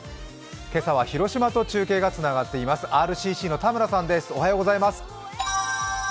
今朝は広島と中継がつながっています、ＲＣＣの田村さんです。